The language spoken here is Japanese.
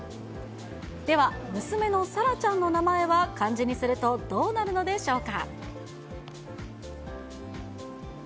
では娘のサラちゃんの名前は漢字にするとどうなるのでしょうか。